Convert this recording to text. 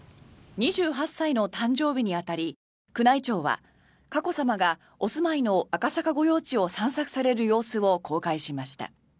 ２８歳の誕生日に当たり宮内庁は佳子さまがお住まいの赤坂御用地を散策される様子を公開しました。